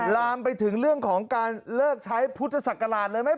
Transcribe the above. ลามไปถึงเรื่องของการเลิกใช้พุทธศักราชเลยไหม